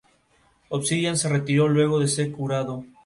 Así fue como comenzó la carrera del talentoso actor.